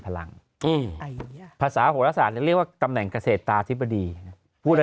พลังภาษาโหรสาศาษณ์เรียกว่าตำแหน่งกเศษตาศิปดีพูดเลย